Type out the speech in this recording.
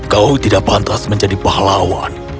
kau tidak pantas menjadi pahlawan